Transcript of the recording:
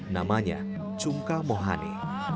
namanya cungkah mohane